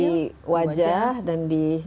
di wajah dan di telapak tangan